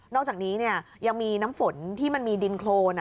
อกจากนี้ยังมีน้ำฝนที่มันมีดินโครน